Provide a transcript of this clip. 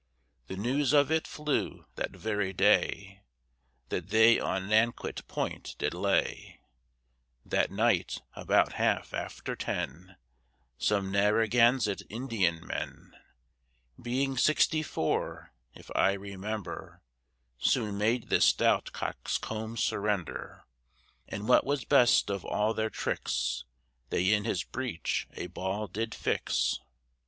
The news of it flew, that very day, That they on Nanquit Point did lay, That night, about half after ten, Some Narragansett Indian men Being sixty four, if I remember, Soon made this stout coxcomb surrender: And what was best of all their tricks, They in his breech a ball did fix.